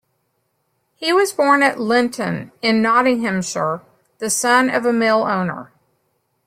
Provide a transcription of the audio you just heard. He was born at Lenton in Nottinghamshire, the son of a mill owner.